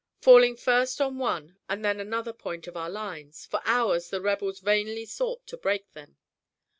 Falling first on one and then another point of our lines, for hours the rebels vainly sought to break them.